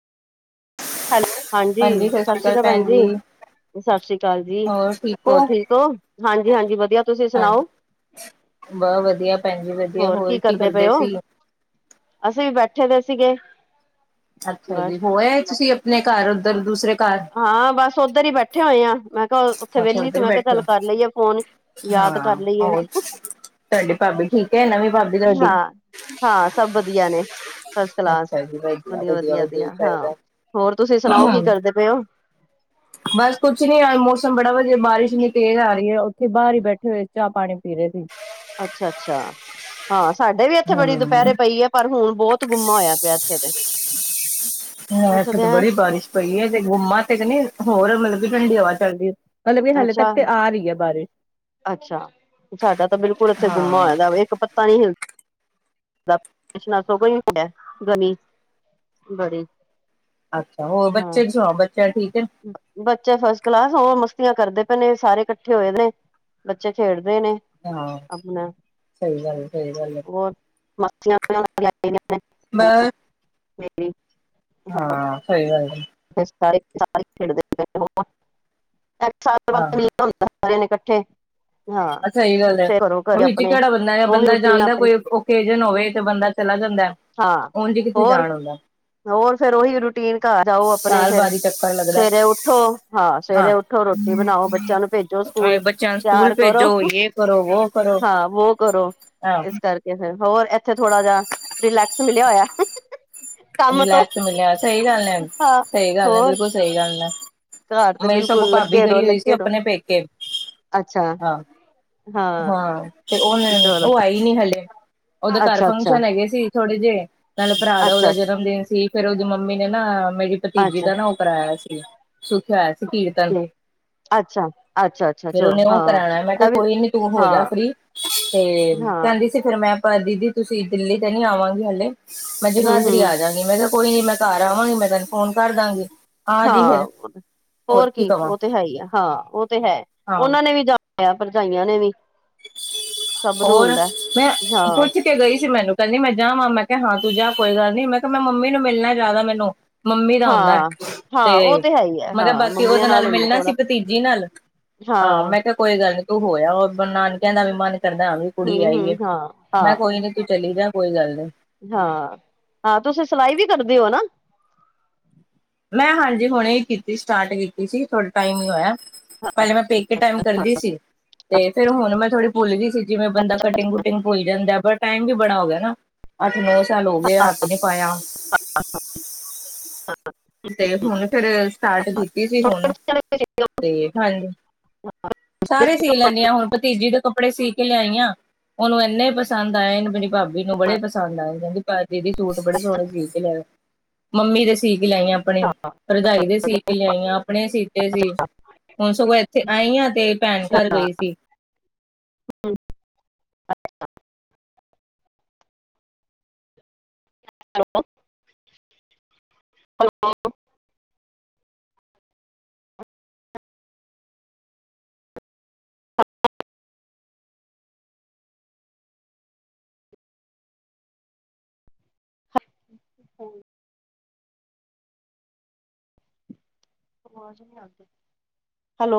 Hello ਹਾਂਜੀ ਸਤਿ ਸ੍ਰੀ ਅਕਾਲ ਭੈਣ ਜੀ ਸਤਿ ਸ੍ਰੀ ਅਕਾਲ ਜੀ ਹੋਰ ਠੀਕ ਹੋ ਹਾਂਜੀ ਹਾਂਜੀ ਵਧੀਆ ਤੁਸੀਂ ਸੁਣਾਓ ਬਾਹ ਵਧੀਆ ਭੈਣ ਜ ਵਧੀਆ ਹੋਰ ਕੀ ਕਰਦੇ ਸੀ ਅਸੀਂ ਵੀ ਬੈਠੇ ਦੇ ਸੀਗੇ ਅੱਛਾ ਜੀ ਬਸ ਹੋਆ ਤੁਸੀਂ ਆਪਣੇ ਘਰ ਉੱਧਰ ਦੂਸਰੇ ਘਰ ਹਾਂ ਬਸ ਉੱਧਰ ਹੀ ਬੈਠੇ ਹੋਏ ਆਾਂ ਮੈਂ ਕਿਹਾ ਉੱਥੇ ਅੱਛਾ ਵਿਹਲੀ ਸੀ ਉੱਧਰ ਮੈਂ ਕਿਹਾ ਬੈਠੇ ਚੱਲ ਹੋ ਕਰ ਲਈਏ ਫੋਨ ਯਾਰ ਯਾਦ ਕਰ ਹਾਂ ਲਈਏ ਹੋਰ ਤੁਹਾਡੀ ਭਾਬੀ ਠੀਕ ਹੈ ਨਵੀਂ ਭਾਬੀ ਤੁਹਾਡੀ ਹਾਂ ਹਾਂ ਸਭ ਵਧੀਆ ਨੇ ਫਸ -ਕਲਾਸ, ਵਧੀਆ -ਵਧੀਆ, ਵਧੀਆ ਹਾਂ ਹੋਰ ਤੁਸੀਂ ਸੁਣਾਓ ਕੀ ਕਰਦੇ? ਕੀਚ [unintelligible] ਬਸ ਕੁਛ ਨੀ, ਅੱਜ ਮੌਸਮ ਬੜਾ ਵਧੀਆ, ਬਾਰਿਸ਼ ਇਨੀਂ ਤੇਜ਼ ਆ ਰਹੀ ਹੈ। ਉੱਥੇ ਬਾਹਰ ਹੀ ਬੈਠੇ ਹੋਏ ਚਾਹ -ਪਾਣੀ ਪੀ ਰਹੇ ਸੀ। ਅੱਛਾ -ਅੱਛਾ, ਹਾਂ। ਸਾਡੇ ਵੀ ਇੱਥੇ ਬੜੀ ਹਮ ਦੁਪਹਿਰੇ ਪਈ ਹੈ ।ਪਰ ਹੁਣ ਬਹੁਤ ਗੁੰਮਾ ਹੋਇਆ ਪਿਆ ਇੱਥੇ ਤੇ ਹਾਂ ਇੱਥੇ ਤੇ ਬੜੀ ਬਾਰਿਸ਼ ਪਈ ਹੈ। ਤੇ ਗੁੰਮਾ ਤੇ ਕ ਨਹੀਂ ਹੋਰ ਮਤਲਬ ਕਿ ਠੰਡੀ ਹਵਾ ਚਲਦੀ ਮਤਲਬ ਵੀ ਹਾਲੇ ਤੱਕ ਅੱਛਾ ਤੇ ਆ ਰਹੀ ਹੈ। ਬਾਰਿਸ਼ ਅੱਛਾ, ਸਾਡਾ ਤਾਂ ਬਿਲਕੁਲ ਇੱਥੇ ਗੁੰਮਾ ਹਾਂ ਹੋਇਆ ਦਾ, ਇੱਕ ਪੱਤਾ ਨੀ ਹਿਲਦਾ [unintelligible] ਬੜੀ ਅੱਛਾ ਹੋਰ ਹਾਂ ਬੱਚੇ ਸੁਣਾਓ ਬੱਚਾ ਠੀਕ ਹੈ ਬੱਚੇ ਫਸ ਕਲਾਸ ਹਾਂ ਮਸ ਕਰਦੇ ਪਏ ਨੇ, ਸਾਰੇ ਇਕੱਠੇ ਹੋਏ ਨੇ, ਬੱਚੇ ਖੇਡਦੇ ਨੇ ਹਾਂ ਆਪਣਾ ਸਹੀ ਗੱਲ ਹੈ ਸਹੀ ਗੱਲ ਹੈ ਹੋਰ ਮਸਤੀਆਂ ਬਸ [inaudible] ਹਾਂ ਸਹੀ ਗੱਲ। ਹਾਂ [unintelligible] ਅੱਛਾ ਇਹੀ ਗੱਲ ਹੈ। ਫੇਰ ਘਰੋਂ ਉਹ ਘਰੇ ਵਿੱਚ ਆਪਣੇ ਕਿਹੜਾ ਬੰਦਾ, ਉਹੀ ਬੰਦਾ ਰੂਟੀਨ ਜਾਂਦਾ ਆਪਣੀ ਕੋਈ ਓਕੇਜਨ ਹੋਵੇ ਤੇ ਬੰਦਾ ਚਲਾ ਜਾਂਦਾ। ਹਾਂ ਉਂਝ ਕਿੱਥੇ ਹੋਰ ਜਾਣ ਹੁੰਦਾ । ਹੋਰ ਫਿਰ ਉਹੀ ਰੂਟੀਨ ਘਰ ਜਾਓ, ਆਪਣੇ ਫੇਰ ਬਾਅਦ ਹੀ ਚੱਕਰ ਲੱਗਦਾ ਸਵੇਰੇ ਉੱਠੋ ਹਾਂ ਸਵੇਰੇ ਉੱਠੋ ਰੋਟੀ ਰੋਟੀ ਬਣਾਓ, ਬੱਚਿਆਂ ਨੂੰ ਭੇਜੋ ਹਾਂ ਸਕੂਲ ਬੱਚਿਆਂ ਨੂੰ ਸਕੂਲ ਤਿਆਰ ਕਰੋ ਭੇਜੋ ਯੇ ਕਰੋ ਵੋ ਕਰੋ ਹਾਂ ਵੋ ਕਰੋ, ਆਹ ਇਸ ਕਰਕੇ ਫੇਰ ਹੋਰ ਇੱਥੇ ਥੋੜਾ ਜਾ ਰਿਲੈਕਸ ਮਿਲਿਆ ਹੋਇਆ। ਕੰਮ ਤੋਂ ਰਿਲੈਕਸ ਮਿਲਿਆ ਸਹੀ ਗੱਲ ਹੈ ਹਾਂ ।ਸਹੀ ਗੱਲ ਹੈ। ਹੋਰ ਬਿਲਕੁਲ ਸਹੀ ਗੱਲ ਹੈ । ਘਰ ਤੇ ਬਿਲਕੁਲ ਲੱਗੇ ਰਹੋ, ਲੱਗੇ ਰਹੋ ਆਪਣੇ ਪੇਕੇ ਅੱਛਾ ਹਾਂ ਹਾਂ, ਤੇ ਉਹ ਫੇਰ ਚਲੋ ਉਹ ਆਈ ਨਹੀਂ ਹਲੇ। ਉਹਦੇ ਘਰ ਅੱਛਾ ਅੱਛਾ ਫੰਕਸ਼ਨ ਹੈਗੇ ਸੀ। ਥੋੜੇ ਜਿਹੇ। ਨਾਲੇ ਭਰਾ ਦਾ ਅੱਛਾ ਉਹਦਾ ਜਨਮ ਦਿਨ ਸੀ। ਫੇਰ ਉਹਦੀ ਮੰਮੀ ਨੇ ਨਾ ਮੇਰੀ ਭਤੀਜੀ ਅੱਛਾ ਅੱਛਾ ਦਾ ਨਾ ਉਹ ਕਰਾਇਆ ਸੀ। ਸੁਖਿਆ ਹੋਇਆ ਸੀ, ਕੀਰਤਨ। ਅੱਛਾ ਅੱਛਾ। ਅੱਛਾ ਫੇਰ ਚਲੋ ਉਹਨੇ ਉਹ ਹਾਂ ਕਰਾਉਣ, ਮੈਂ ਕਿਹਾ ਇਹ ਵੀ ਕੋਈ ਨੀ ਤੂੰ ਹੋ ਹਾਂ ਜਾ ਫਰੀ ਤੇ ਹਾਂ ਕਹਿੰਦੀ ਸੀ, ਫਿਰ ਮੈਂ ਪਰ ਦੀਦੀ ਤੁਸੀਂ ਦਿੱਲੀ ਤੇ ਨੀ ਆਵਾਂਗੇ ਹਲੇ, ਮੈਂ ਹਮ ਜਗਾਧਰੀ ਹਮ ਆ ਜਾਂਗੀ। ਮੈਂ ਕਿਹਾ ਕੋਈ ਨੀ ਮੈਂ ਘਰ ਜਾਵਾਂਗੀ ਮੈਂ ਤੈਨੂੰ ਫੋਨ ਕਰ ਦਾਂਗੀ, ਆਜੀ ਫਿਰ। ਹਾਂ ਹੋਰ ਕੀ ਉਹ ਤੇ ਹੈ ਹੀ ਹੈ। ਹਾਂ ਉਹ ਤੇ ਹੈ। ਹਾਂ ਉਹਨਾਂ ਨੇ ਵੀ ਜਾ ਆਇਆ ਭਰਜਾਈਆਂ ਨੇ ਵੀ। ਸਭ ਨੂੰ ਹੋਰ ਹੁੰਦਾ ਮੈਂ ਹਾਂ ਪੁੱਛ ਕੇ ਗਈ ਸੀ। ਮੈਨੂੰ ਕਹਿੰਦੀ ਮੈਂ ਜਾਵਾਂ ਮੈਂ ਕਿਹਾ ਹਾਂ। ਤੂੰ ਜਾ ਕੋਈ ਗੱਲ ਨੀ ਮੈਂ ਕਿਹਾ, ਮੈਂ ਮੰਮੀ ਨੂੰ ਮਿਲਣਾ ਜ਼ਿਆਦਾ ਮੈਨੂੰ। ਮੰਮੀ ਦਾ ਆਉਂਦਾ, ਹਾਂ ਤੇ ਹਾਂ ਉਹ ਹੈ ਹੀ ਹੈ ਮੈ ਕਿਹਾ ਹਾਂ ਬਾਕੀ ਮੰਮੀਆਂ ਉਹਦੇ ਨਾਲ ਹੁੰਦਾ ਮਿਲਣਾ ਸੀ ਥੋੜਾ ਭਤੀਜੀ ਨਾਲ। ਹਾਂ ਮੈਂ ਕਿਹਾ, ਕੋਈ ਗੱਲ ਨੀ ਤੂੰ ਹੋਏ ਆ ਨਾਨਕਿਆਂ ਦਾ ਵੀ ਮਨ ਕਰਦਾ ਹਾਂ, ਵੀ ਕੁੜੀ ਹਮ ਆਈ ਹਮ ਏ ਹਾਂ ਹਾਂ ਮੈਂ ਕਿਹਾ, ਕੋਈ ਨੀ ਤੂੰ ਚਲੀ ਜਾ ਕੋਈ ਗੱਲ ਨਹੀਂ। ਹਾਂ ਹਾਂ ਤੁਸੀਂ ਸਿਲਾਈ ਵੀ ਕਰਦੇ ਹੋ ਨਾ ਮੈਂ ਹਾਂਜੀ ਹੁਣੇ ਕੀਤੀ ਸਟਾਰਟ ਕੀਤੀ ਸੀ। ਥੋੜਾ ਟਾਈਮ ਹੀ ਹੋਇਆ। ਪਹਿਲੇ ਮੈਂ ਪੇਕੇ ਟਾਈਮ ਕਰਦੀ ਸੀ। ਤੇ ਫੇਰ ਹੁਣ ਮੈਂ ਥੋੜ੍ਹੀ ਭੁੱਲ ਗਈ ਸੀ। ਜਿਵੇਂ ਬੰਦਾ ਕਟਿੰਗ ਕੁੂਟਿੰਗ ਭੁੱਲ ਜਾਂਦਾ ਹੈ। ਪਰ ਟਾਈਮ ਵੀ ਬੜਾ ਹੋ ਗਿਆ ਨਾ, ਅੱਠ ਨੌ ਸਾਲ ਹੋ ਗਏ ਹੱਥ ਨਹੀਂ ਪਾਇਆ। ਤੇ ਹੁਣ ਫੇਰ ਸਟਾਰਟ ਕੀਤੀ ਸੀ। ਹੁਣ ਤੇ ਹਾਂਜੀ। ਸਾਰੇ ਸੀ ਲੈਂਦੀ ਹਾਂ ।ਹੁਣ ਭਤੀਜੀ ਦੇ ਕੱਪੜੇ ਸੀ ਕੇ। ਸੀ ਕੇ ਆਈ ਆਂ ਉਹਨੂੰ ਇੰਨੇ ਪਸੰਦ ਆਏ ਆ, ਇਹਨੂੰ ਮੇਰੀ ਭਾਬੀ ਨੂੰ ਬੜੇ ਪਸੰਦ ਆਏ ਕਹਿੰਦੀ ਦੀਦੀ ਸੂਟ ਬੜੇ ਸੋਹਣੇ ਸੀ ਕੇ ਲਿਆਏ ਓ ਮੰਮੀ ਦੇ ਸੀ ਕੇ ਲਿਆਈ ਆ। ਆਪਣੀ ਭਰਜਾਈ ਦੇ ਸੀ ਕੇ ਲਿਆਈਆਂ ਆਪਣੇ ਸੀਤੇ ਸੀ। ਹੁਣ ਸਗੋਂ ਇੱਥੇ ਆਈ ਹਾਂ ਤੇ ਭੈਣ ਘਰ ਗਈ ਸੀ। ਅੱਛਾ। Hello hello. ਹੂੰ। ਹੈਲੋ।